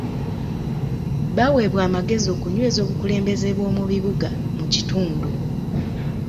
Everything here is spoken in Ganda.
Baaweebwa amagezi okunyweza obukulembeze bw'omu bibuga mu kitundu.